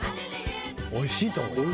おいしいと思う。